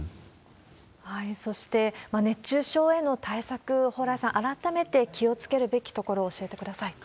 そして、熱中症への対策、蓬莱さん、改めて気をつけるべきところを教えてください。